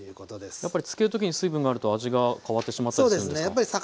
やっぱり漬ける時に水分があると味が変わってしまったりするんですか？